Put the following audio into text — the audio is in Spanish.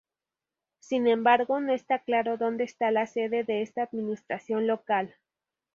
Sin embargo, no está claro donde esta la sede de esta administración local.